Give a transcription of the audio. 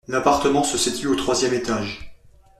L’appartement se situe au troisième étage.